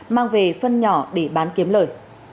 mang về phân nhỏ để bán kiếm lời